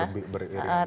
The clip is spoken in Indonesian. jalan beriring gitu